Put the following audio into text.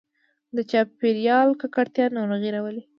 د چاپېریال ککړتیا ناروغي راوړي.